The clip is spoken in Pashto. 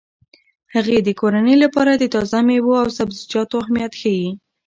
هغې د کورنۍ لپاره د تازه میوو او سبزیجاتو اهمیت ښيي.